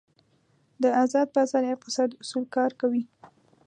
د ازاد بازار اقتصاد اصول کار کوي.